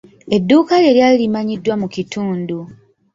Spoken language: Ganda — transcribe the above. Edduuka lye lyali limanyikiddwa mu kitundu.